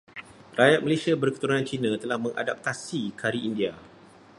Rakyat Malaysia berketurunan Cina telah mengadaptasi Kari India.